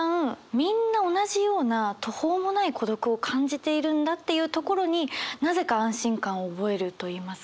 みんな同じような途方もない孤独を感じているんだっていうところになぜか安心感を覚えるといいますか。